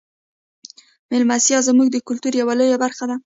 میلمستیا زموږ د کلتور یوه لویه برخه ده.